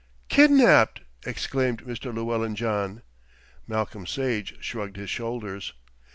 "Kidnapped!" exclaimed Mr. Llewellyn John. Malcolm Sage shrugged his shoulders.